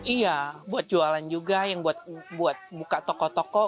iya buat jualan juga yang buat buka toko toko